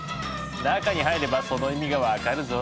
中に入ればその意味が分かるぞ。